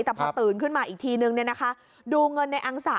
แต่พอตื่นขึ้นมาอีกทีนึงดูเงินในอังสะ